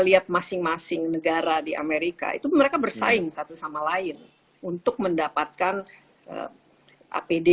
lihat masing masing negara di amerika itu mereka bersaing satu sama lain untuk mendapatkan apd